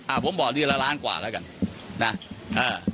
ผมบอกเดือนละล้านกว่าแล้วกันนะอ่า